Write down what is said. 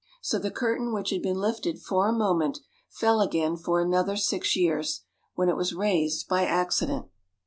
So the curtain which had been lifted for a moment fell again for another six years, when it was raised by accident.